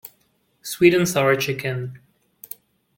Sweet-and-sour chicken.